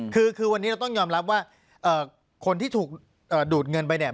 คือวันนี้เราต้องยอมรับว่าคนที่ถูกดูดเงินไปเนี่ย